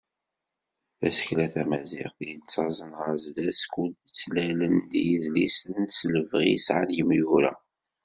Tasekla tamaziɣt, yettaẓen ɣer sdat, skud ttlalen-d yidlisen s lebɣi i sɛan yimyura.